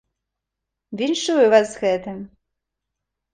Віншую вас з гэтым!